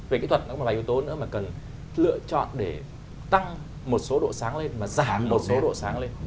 về kỹ thuật nó có một vài yếu tố nữa mà cần lựa chọn để tăng một số độ sáng lên và giảm một số độ sáng lên